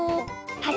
はい。